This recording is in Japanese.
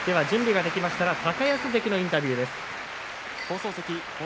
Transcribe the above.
準備ができましたら高安関のインタビューです。